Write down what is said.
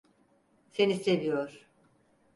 Seni seviyor.